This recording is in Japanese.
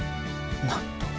なんと。